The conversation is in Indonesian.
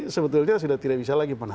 sebetulnya sudah tidak bisa lagi